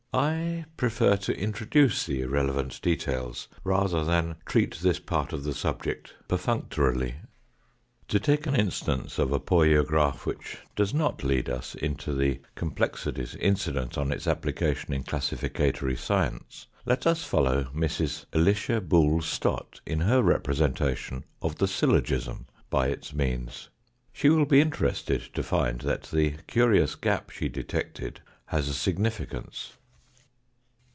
I prefer to introduce the irrelevant details rather than treat this part of the subject perfunctorily. To take an instance of a poiograph which does not lead 90 THE FOURTH DIMENSION us into the complexities incident on its application in classificatory science, let us follow Mrs. Alicia Boole Stott in her representation of the syllogism by its means. She will be interested to find that the curious gap she detected has a significance.